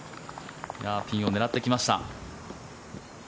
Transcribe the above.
ピンを狙ってきました。